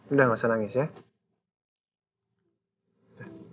udah gak usah nangis ya